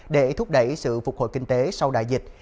để thúc đẩy sự phục hồi kinh tế sau đại dịch